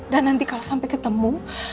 dan nanti kalau sampai ketemu